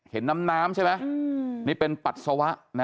เห็นน้ำน้ำใช่ไหมนี่เป็นปัสสาวะนะ